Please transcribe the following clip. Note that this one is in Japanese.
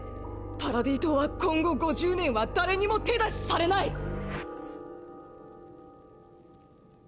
パラディ島は今後５０年は誰にも手出しされない！